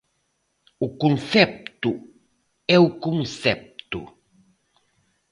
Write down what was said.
O concepto é o concepto.